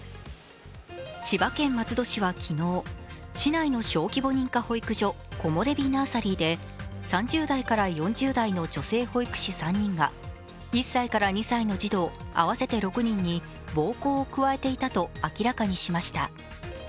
千葉県松戸市は昨日、市内の小規模認可保育所、コモレビ・ナーサリーで３０代から４０代の女性保育士３人が１歳から２歳の児童合わせて６人に暴行を加えていたと明らかにしました。